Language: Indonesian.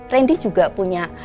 randy juga punya